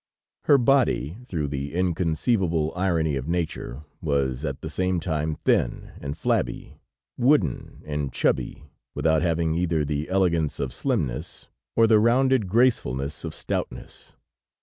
Her body, through the inconceivable irony of nature, was at the same time thin and flabby, wooden and chubby, without having either the elegance of slimness or the rounded gracefulness of stoutness.